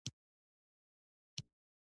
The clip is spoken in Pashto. په غرمه کې اکثره زړې ښځې تسبيحات وایي